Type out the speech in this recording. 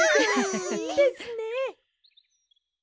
いいですね！